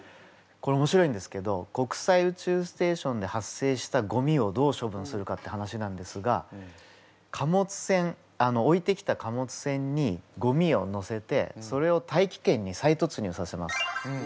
これおもしろいんですけど国際宇宙ステーションで発生したゴミをどう処分するかって話なんですが貨物船置いてきた貨物船にゴミをのせてそれを大気圏に再突入させます。